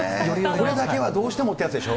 これだけはどうしてもってやつでしょ。